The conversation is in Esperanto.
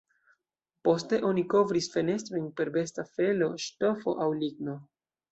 Poste, oni kovris fenestrojn per besta felo, ŝtofo aŭ ligno.